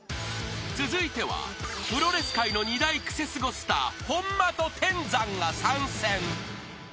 ［続いてはプロレス界の二大クセスゴスター本間と天山が参戦］